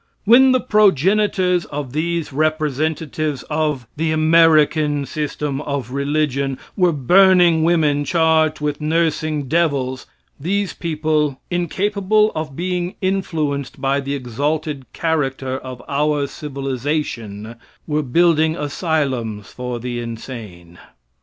When the progenitors of these representatives of the "American system of religion" were burning women charged with nursing devils, these people, "incapable of being influenced by the exalted character of our civilization," were building asylums for the insane.